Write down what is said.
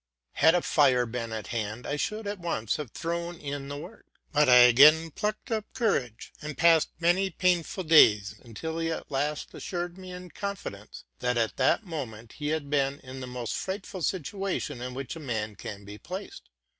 Had a fire been at hand, I should at once have thrown in the work; but I again plucked up courage, and passed many painful days, until he at last assured me, in confidence, that at that moment he had been in the most frightful situation in which a man can be placed.